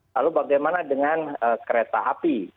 lalu bagaimana dengan kereta api